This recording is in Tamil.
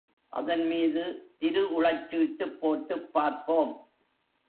அதன் மீது திருஉளச்சீட்டுப் போட்டுப் பார்ப்போம்.